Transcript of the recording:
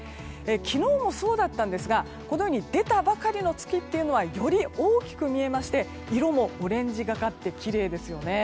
昨日もそうだったんですがこのように出たばかりの月というのはより大きく見えまして色もオレンジがかってきれいですよね。